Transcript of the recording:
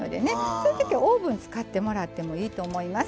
そういうときはオーブン使ってもらってもいいと思います。